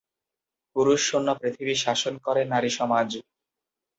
পুরুষ শুন্য পৃথিবী শাসন করে নারী সমাজ।